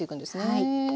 はい。